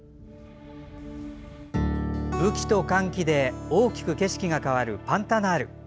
雨季と乾季で大きく景色が変わるパンタナール。